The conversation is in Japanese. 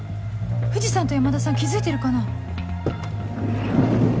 藤さんと山田さん気付いてるかな